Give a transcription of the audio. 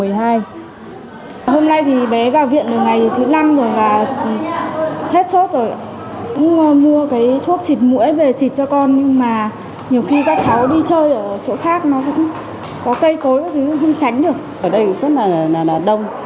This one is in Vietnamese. ở đây rất là đông